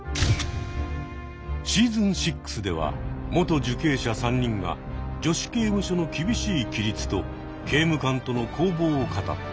シーズン６では元受刑者３人が女子刑務所の厳しい規律と刑務官との攻防を語った。